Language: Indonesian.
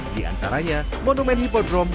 di antaranya monumen hippodrome